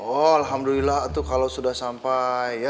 oh alhamdulillah tuh kalau sudah sampai ya